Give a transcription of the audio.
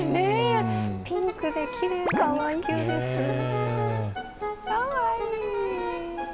ピンクできれい、かわいい肉球ですね。